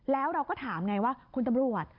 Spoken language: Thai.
แล้วเราก็ถามไงว่าคุณตำรวจ